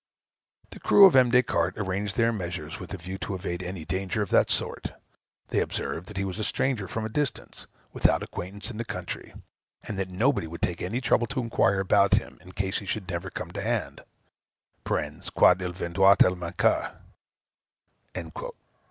The crew of M. Des Cartes arranged their measures with a view to evade any danger of that sort. They observed that he was a stranger from a distance, without acquaintance in the country, and that nobody would take any trouble to inquire about him, in case he should never come to hand, (quand il viendroit à manquer.")